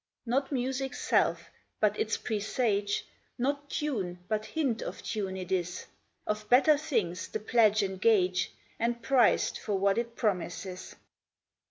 Not music's self, but its presage ; Not tune, but hint of tune it is ; Of better things the pledge and gage, And prized for what it promises.